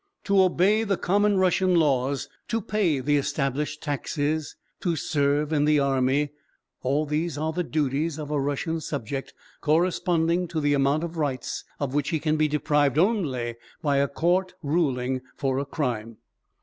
To obey the common Russian laws, to pay the established taxes, to serve in the army, all these are the duties of a Russian subject, corresponding to the amount of rights of which he can be deprived only by a court ruling for a crime.